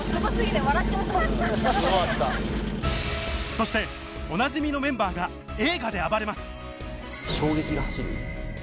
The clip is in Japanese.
そしておなじみのメンバーが映画で暴れます！